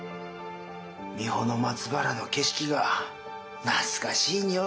三保松原の景色が懐かしいのう。